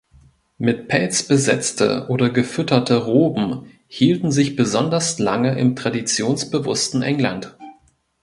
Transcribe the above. Mit Pelz besetzte oder gefütterte Roben hielten sich besonders lange im traditionsbewussten England.